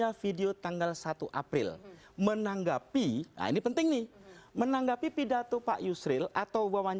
ada apa yang diperlukan